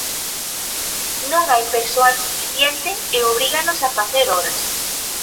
Non hai persoal suficiente e obríganos a facer horas.